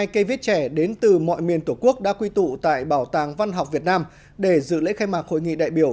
một trăm một mươi hai cây viết trẻ đến từ mọi miền tổ quốc đã quy tụ tại bảo tàng văn học việt nam để dự lễ khai mạc hội nghị đại biểu